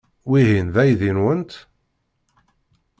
Wihin d aydi-nwent?